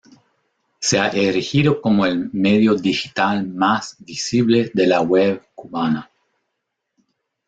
Se ha erigido como el medio digital más visible de la web cubana.